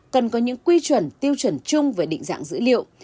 cần có những quy chuẩn tiêu chuẩn chung về định dạng dữ liệu